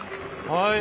はい。